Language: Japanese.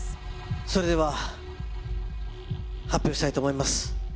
それでは発表したいと思います。